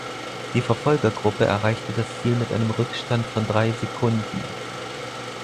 Die Verfolgergruppe erreichte das Ziel mit einem Rückstand von drei Sekunden.